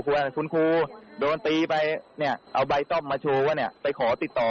ว่าคุณครูโดนตีไปเนี่ยเอาใบต้อมมาโชว์ว่าเนี่ยไปขอติดต่อ